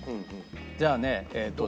じゃあねえっとね。